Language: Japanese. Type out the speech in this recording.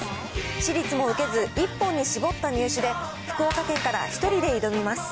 私立も受けず、一本に絞った入試で、福岡から１人で挑みます。